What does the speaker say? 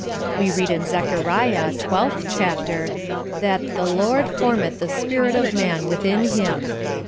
We read in Zechariah, 12th chapter, that the "Lord formeth the spirit of man within Him."